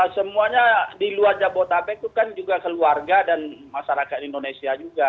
semuanya di luar jabodetabek itu kan juga keluarga dan masyarakat indonesia juga